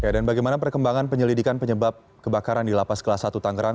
dan bagaimana perkembangan penyelidikan penyebab kebakaran di lapas kelas satu tangerang